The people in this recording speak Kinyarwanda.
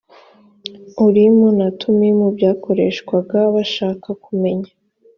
urimu na tumimu byakoreshwaga bashaka kumenya